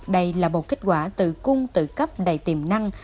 đây là một kết quả tự cung tự cấp đầy tiềm năng